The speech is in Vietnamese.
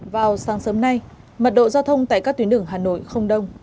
vào sáng sớm nay mật độ giao thông tại các tuyến đường hà nội không đông